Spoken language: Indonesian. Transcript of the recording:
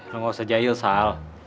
lo gak usah jahil sal